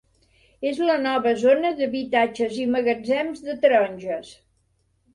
És la nova zona d'habitatges i magatzems de taronges.